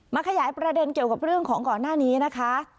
ขยายประเด็นเกี่ยวกับเรื่องของก่อนหน้านี้นะคะ